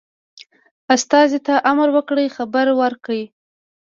استازي ته امر وکړ خبر ورکړي.